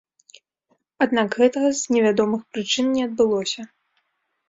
Аднак гэтага з невядомых прычын не адбылося.